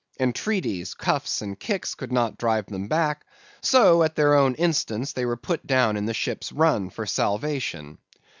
Entreaties, cuffs, and kicks could not drive them back, so at their own instance they were put down in the ship's run for salvation.